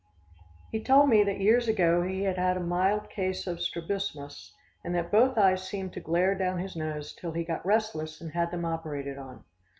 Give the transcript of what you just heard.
He told me that years ago he had a mild case of strabismus and that both eyes seemed to glare down his nose till he got restless and had them operated on.